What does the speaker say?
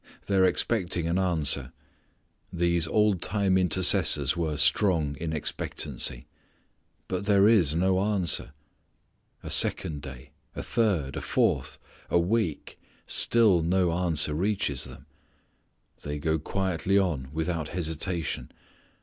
They are expecting an answer. These old time intercessors were strong in expectancy. But there is no answer. A second day, a third, a fourth, a week, still no answer reaches them. They go quietly on without hesitation.